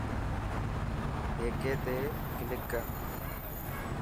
هيڪي تي ڪلڪ ڪر.